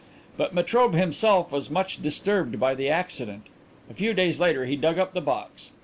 But Metrobe himself was much disturbed by the accident. A few days later he dug up the box.